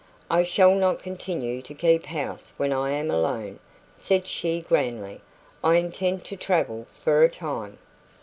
"I shall not continue to keep house when I am alone," said she grandly. "I intend to travel for a time."